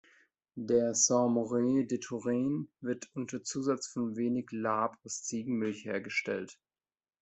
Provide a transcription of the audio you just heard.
Der Sainte-Maure de Touraine wird unter Zusatz von wenig Lab aus Ziegenmilch hergestellt.